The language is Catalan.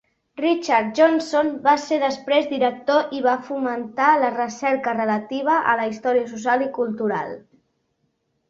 Richard Johnson va ser després director i va fomentar la recerca relativa a la història social i cultural.